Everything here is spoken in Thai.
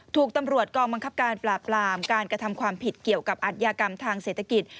ถูกตำรวจกองบังคับการปราบรามการกระทำความผิดเกี่ยวกับอัธยากรรมทางเศรษฐกิจ